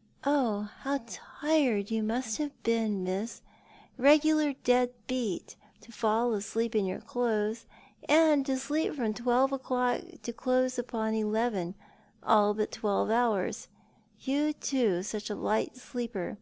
" Oh, how tired you must have been, miss— regular dead beat, to fall asleep in your clothes, and sleep from twelve o'clock to close upon eleven — all but twelve hours. You, too, such a light sleeper.